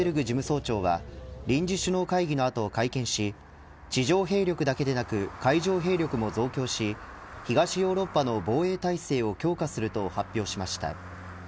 事務総長は臨時首脳会議のあと会見し地上兵力だけでなく海上兵力も増強し東ヨーロッパの防衛態勢を強化すると発表しました。